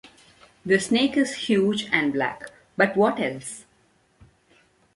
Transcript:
The snake is huge and black, but what else?